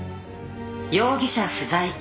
「容疑者不在。